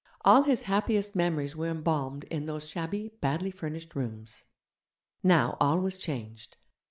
All his happiest memories were embalmed in those shabby, badly furnished rooms. Now all was changed.